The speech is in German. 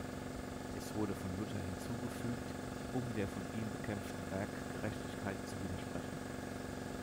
Es wurde von Luther hinzugefügt, um der von ihm bekämpften Werkgerechtigkeit zu widersprechen.